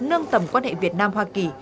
nâng tầm quan hệ việt nam hoa kỳ